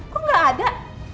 kok gak ada